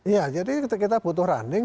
ya jadi kita butuh running